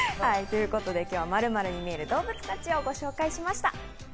今日は○○に見える動物たちをご紹介しました。